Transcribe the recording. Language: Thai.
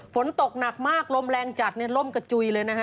ฝนตกหนักมากลมแรงจัดเนี่ยล่มกระจุยเลยนะฮะ